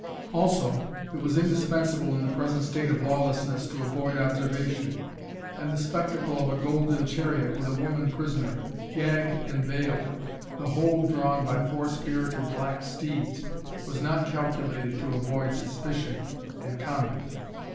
Also, it was indispensable in the present state of lawlessness to avoid observation, and the spectacle of a golden chariot with a woman prisoner, gagged and veiled, the whole drawn by four spirited black steeds, was not calculated to avoid suspicion and comment.